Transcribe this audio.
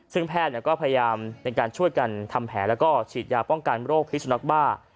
ซึ่งแพทย์ก็พยายามในการช่วยกันทำแผลแล้วก็ฉีดยาป้องกันโรคพิสุนักบ้า